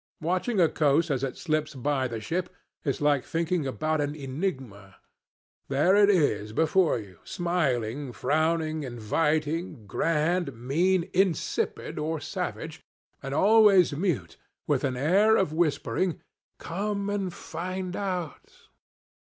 Watching a coast as it slips by the ship is like thinking about an enigma. There it is before you smiling, frowning, inviting, grand, mean, insipid, or savage, and always mute with an air of whispering, 'Come and find out.'